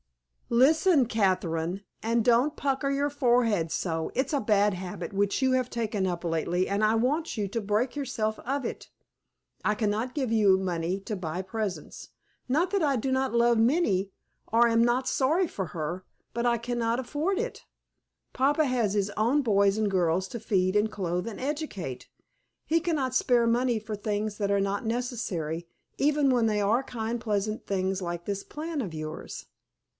"Listen, Catherine, and don't pucker your forehead so. It's a bad habit which you have taken up lately, and I want you to break yourself of it. I cannot give you money to buy presents; not that I do not love Minnie, or am not sorry for her, but I cannot afford it. Papa has his own boys and girls to feed and clothe and educate. He cannot spare money for things that are not necessary, even when they are kind pleasant things like this plan of yours."